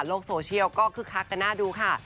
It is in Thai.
โซเชียลก็คึกคักกันน่าดูค่ะ